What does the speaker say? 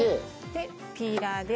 でピーラーで。